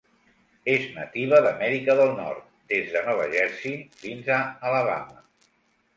És nativa d'Amèrica del Nord des de Nova Jersey fins a Alabama.